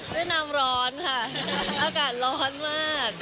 เวียดนามร้อนค่ะอากาศร้อนมาก